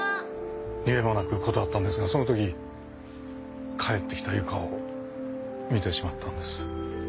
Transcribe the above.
理由もなく断わったんですがそのとき帰ってきた由香を見てしまったんです。